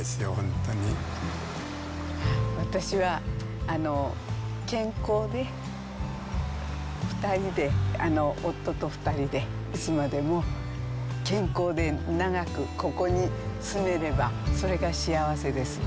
私は、健康で、２人で、夫と２人でいつまでも健康で長くここに住めれば、それが幸せです。